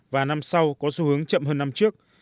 và năm sau có xu hướng chậm hơn năm trước